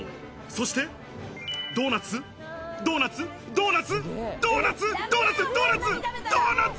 そして、ドーナツ、ドーナツ、ドーナツ、ドーナツ、ドーナツ、ドーナツ。